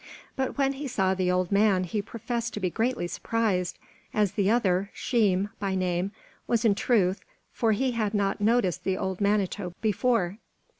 But when he saw the old man, he professed to be greatly surprised, as the other, Sheem by name, was in truth, for he had not noticed the old Manito before.